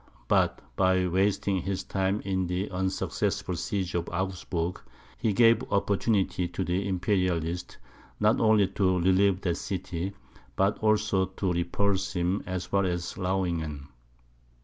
But by wasting his time in the unsuccessful siege of Augsburg, he gave opportunity to the Imperialists, not only to relieve that city, but also to repulse him as far as Lauingen.